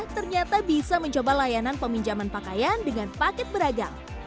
ternyata bisa mencoba layanan peminjaman pakaian dengan paket beragam